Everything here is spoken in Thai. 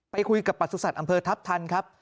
ไปคุยกับประสุทธิ์อำเภอทัพทันครับ